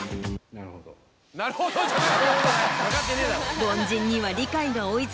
「なるほど」じゃない。